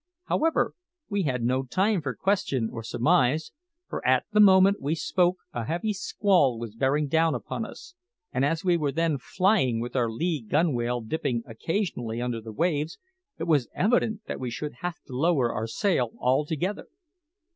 However, we had no time for question or surmise, for at the moment he spoke a heavy squall was bearing down upon us, and as we were then flying with our lee gunwale dipping occasionally under the waves, it was evident that we should have to lower our sail altogether.